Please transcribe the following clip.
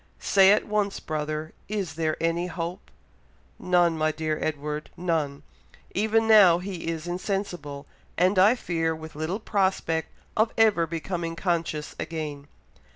Say at once, brother, is there any hope?" "None, my dear Edward! None! Even now he is insensible, and I fear with little prospect of ever becoming conscious again."